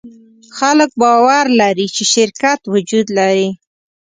خلک باور لري، چې شرکت وجود لري.